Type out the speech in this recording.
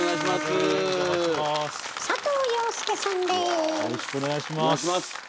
よろしくお願いします。